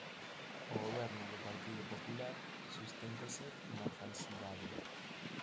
O Goberno do Partido Popular susténtase na falsidade.